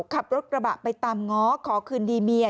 ขับรถกระบะไปตามง้อขอคืนดีเมีย